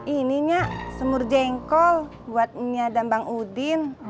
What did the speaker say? ini nyak semur jengkol buat nia dan bang udin